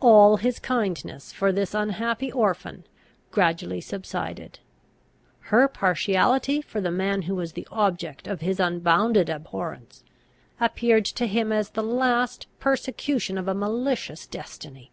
All his kindness for this unhappy orphan gradually subsided. Her partiality for the man who was the object of his unbounded abhorrence, appeared to him as the last persecution of a malicious destiny.